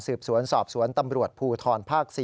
สวนสอบสวนตำรวจภูทรภาค๔